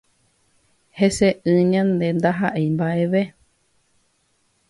Heseʼỹ ñande ndahaʼéi mbaʼeve.